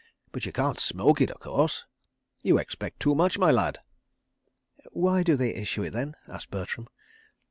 But you can't smoke it, of course. ... You expect too much, my lad. ..." "Why do they issue it, then?" asked Bertram.